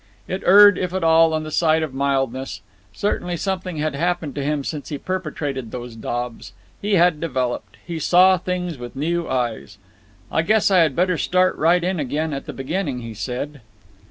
It erred, if at all, on the side of mildness. Certainly something had happened to him since he perpetrated those daubs. He had developed. He saw things with new eyes. "I guess I had better start right in again at the beginning," he said.